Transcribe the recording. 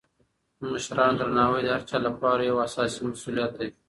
د مشرانو درناوی د هر چا لپاره یو اساسي مسولیت دی.